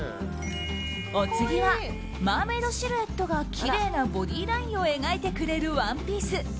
お次は、マーメイドシルエットがきれいなボディーラインを描いてくれるワンピース。